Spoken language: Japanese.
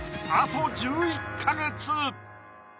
あと１１か月！